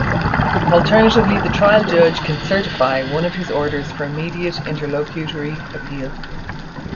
Alternatively, the trial judge can "certify" one of his orders for immediate interlocutory appeal.